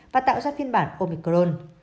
và tạo ra phiên bản omicron